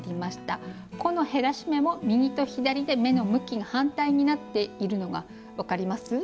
この減らし目も右と左で目の向きが反対になっているのが分かります？